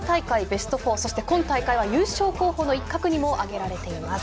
ベスト４今大会は優勝候補の一角にも挙げられます。